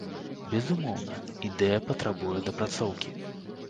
Безумоўна, ідэя патрабуе дапрацоўкі.